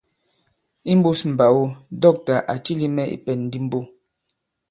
Imbūs mbàgo dɔ̂ktà à cilī mɛ̀ ìpɛ̀n di mbo.